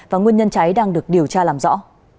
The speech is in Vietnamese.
và nguyên nhân cháy đang được điều tra làm rõ